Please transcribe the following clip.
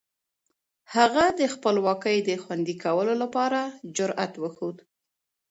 هغه د خپلواکۍ د خوندي کولو لپاره جرئت وښود.